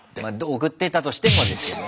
送ってたとしてもです。ハハハ。